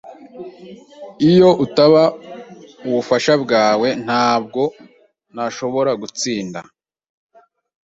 Iyo utaba ubufasha bwawe, ntabwo nashoboraga gutsinda.